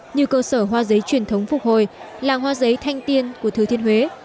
như cơ sở hoa giấy truyền thống phục hồi làng hoa giấy thanh tiên của thừa thiên huế